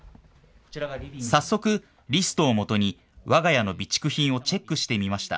早速、リストをもとにわが家の備蓄品をチェックしてみました。